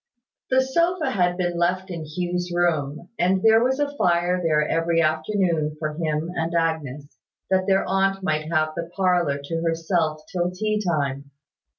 The sofa had been left in Hugh's room, and there was a fire there every afternoon, for him and Agnes, that their aunt might have the parlour to herself till tea time.